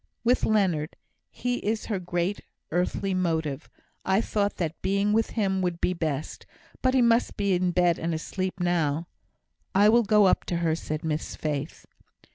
"With Leonard. He is her great earthly motive I thought that being with him would be best. But he must be in bed and asleep now." "I will go up to her," said Miss Faith.